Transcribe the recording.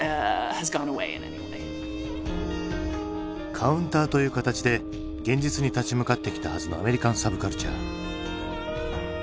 カウンターという形で現実に立ち向かってきたはずのアメリカン・サブカルチャー。